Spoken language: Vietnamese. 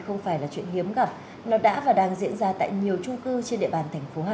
không phải là chuyện hiếm gặp nó đã và đang diễn ra tại nhiều trung cư trên địa bàn thành phố hà